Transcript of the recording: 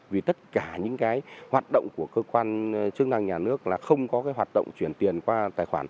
vì tất cả những cái hoạt động của cơ quan chức năng nhà nước là không có cái hoạt động chuyển tiền qua tài khoản